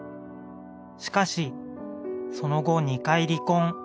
しかしその後２回離婚。